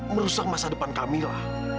merusak masa depan kamila